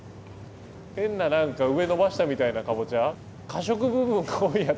変な何か上伸ばしたみたいなかぼちゃ。